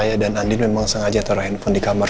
saya dan andi memang sengaja taruh handphone di kamar